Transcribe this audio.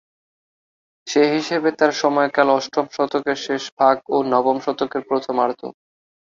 সে হিসাবে তাঁর সময়কাল অষ্টম শতকের শেষ ভাগ ও নবম শতকের প্রথমার্ধ।